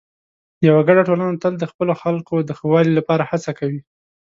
یوه ګډه ټولنه تل د خپلو خلکو د ښه والي لپاره هڅه کوي.